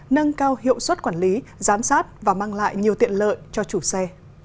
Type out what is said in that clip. nâng cao hiệu suất quản lý giám sát và mang lại nhiều tiện lợi cho chủ xe